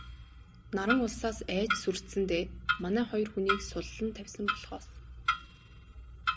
Наран улсаас айж сүрдсэндээ манай хоёр хүнийг суллан тавьсан болохоос...